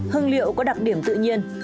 hương liệu có đặc điểm tự nhiên